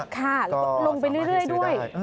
ค่ะลงไปเรื่อยด้วย